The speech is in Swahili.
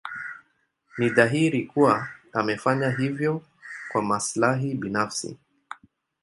Ni dhahiri kuwa amefanya hivyo kwa maslahi binafsi.